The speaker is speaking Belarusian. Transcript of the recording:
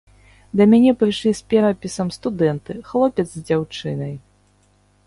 Да мяне прыйшлі з перапісам студэнты, хлопец з дзяўчынай.